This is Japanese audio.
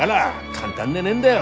簡単でねえんだよ